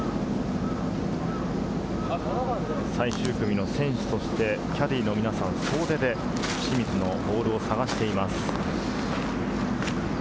最終組の選手としてキャディーの皆さん総出で清水のボールを探しています。